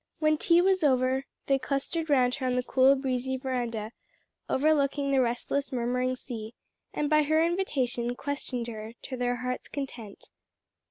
When tea was over, they clustered round her on the cool breezy veranda overlooking the restless murmuring sea, and by her invitation, questioned her to their heart's content.